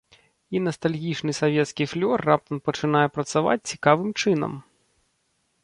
І настальгічны савецкі флёр раптам пачынае працаваць цікавым чынам.